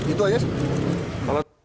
itu aja sih